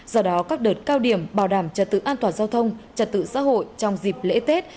do đó các đợt cao điểm bảo đảm trật tự an toàn giao thông trật tự xã hội trong dịp lễ tết